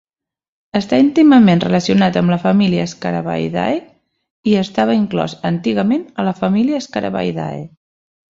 Està íntimament relacionat amb la família Scarabaeidae i estava inclòs antigament a la família Scarabaeidae.